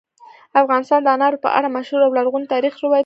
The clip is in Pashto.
افغانستان د انارو په اړه مشهور او لرغوني تاریخی روایتونه لري.